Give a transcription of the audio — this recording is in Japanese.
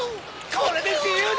これで自由だ！